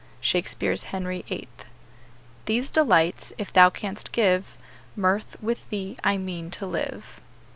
SHAKESPEARE's Henry Eighth. "These delights, if thou canst give, Mirth, with thee I mean to live."